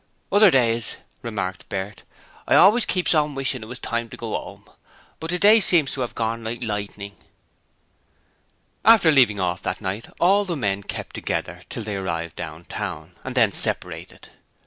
'Other days,' remarked Bert, 'I always keeps on wishin' it was time to go 'ome, but today seems to 'ave gorn like lightnin'!' After leaving off that night, all the men kept together till they arrived down town, and then separated.